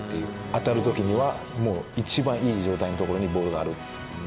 当たるときには、もう一番いい状態のところに、ボールがある。